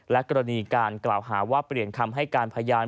กรณีการกล่าวหาว่าเปลี่ยนคำให้การพยาน